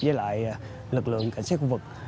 với lại lực lượng cảnh sát khu vực